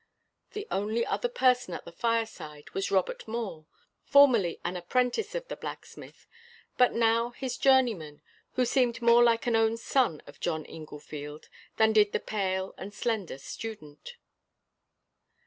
The only other person at the fireside was Robert Moore, formerly an apprentice of the blacksmith, but now his journeyman, and who seemed more like an own son of John Inglefield than did the pale and slender student.